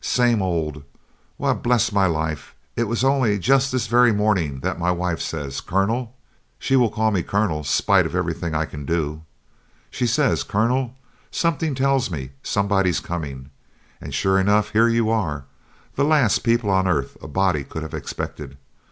Same old why bless my life it was only jest this very morning that my wife says, 'Colonel' she will call me Colonel spite of everything I can do she says 'Colonel, something tells me somebody's coming!' and sure enough here you are, the last people on earth a body could have expected.